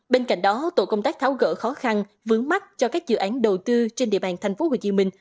bên cạnh đó tổ công tác tháo gỡ khó khăn vướng mắt cho các dự án đầu tư trên địa bàn tp hcm